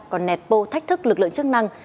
còn nẹt bô thách thức lực lượng chức năng